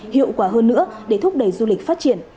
hiệu quả hơn nữa để thúc đẩy du lịch phát triển